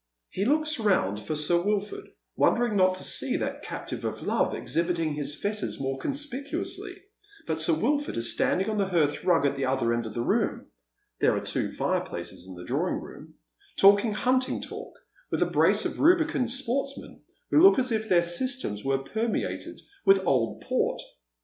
He looks roimd for Sir Wilford, wondering not to see that captive of love exhibiting his fetters more conspicuously, but Sir Wilford is standing on the hearth rug at the other end of the room — there are two fireplaces in the drawing room — talking hunting talk with a brace of rubicund sportsmen who look as if their systems were permeated with old port.